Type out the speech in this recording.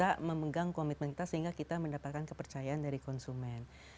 kita memegang komitmen kita sehingga kita mendapatkan kepercayaan dari konsumen